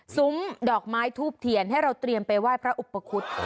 ดอกไม้ทูบเทียนให้เราเตรียมไปไหว้พระอุปคุฎ